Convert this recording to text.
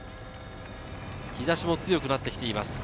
日差しも強くなってきています。